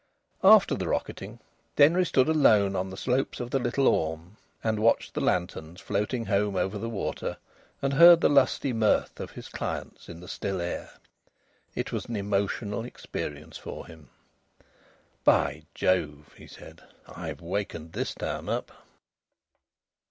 After the rocketing Denry stood alone on the slopes of the Little Orme and watched the lanterns floating home over the water, and heard the lusty mirth of his clients in the still air. It was an emotional experience for him. "By Jove!" he said, "I've wakened this town up!"